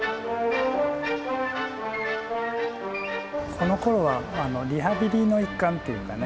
このころはあのリハビリの一環っていうかね。